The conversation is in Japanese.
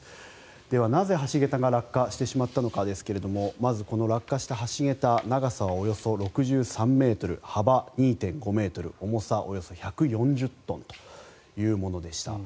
では、なぜ橋桁が落下してしまったのかですがまずこの落下した橋桁長さはおよそ６３ｍ幅２．５ｍ重さおよそ１４０トンというものでした。